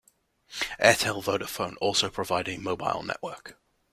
Airtel-Vodafone also provide a mobile network.